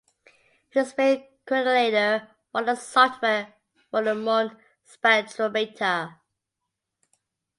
He was made coordinator for the software of the Muon Spectrometer.